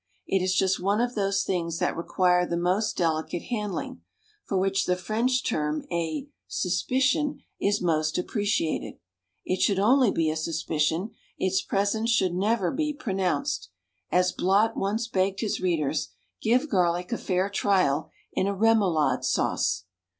It is just one of those things that require the most delicate handling, for which the French term a "suspicion" is most appreciated; it should only be a suspicion, its presence should never be pronounced. As Blot once begged his readers, "Give garlic a fair trial in a rémolade sauce."